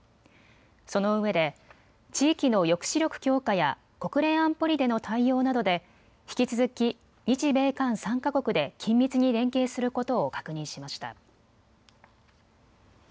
そのうえで地域の抑止力強化や国連安保理での対応などで引き続き日米韓３か国で緊密に連携することを確認しました。